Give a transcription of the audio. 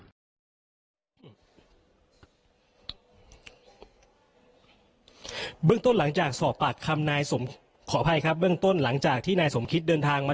กับเว้นต้นหลังจากสอบปากคำนายสมขอบค่ะเบิ่งต้นหลังจากที่ในสมคิตเดินทางมา